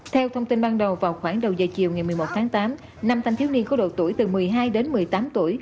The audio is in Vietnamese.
theo thông tin ban đầu vào khoảng đầu giờ chiều ngày một mươi một tháng tám năm thanh thiếu niên có độ tuổi từ một mươi hai đến một mươi tám tuổi